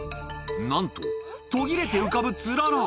なんと、途切れて浮かぶつらら。